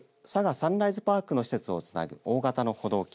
サンライズパークの施設をつなぐ大型の歩道橋